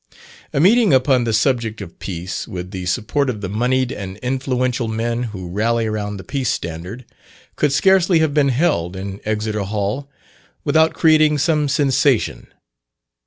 A meeting upon the subject of Peace, with the support of the monied and influential men who rally around the Peace standard, could scarcely have been held in Exeter Hall without creating some sensation.